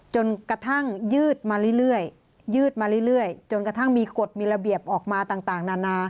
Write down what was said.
จนกระทั่งยืดมาเรื่อยยืดมาเรื่อยจนกระทั่งมีกฎมีระเบียบออกมาต่างนานา